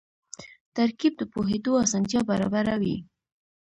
ترکیب د پوهېدو اسانتیا برابروي.